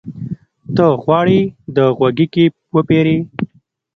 ته غواړې د غوږيکې وپېرې؟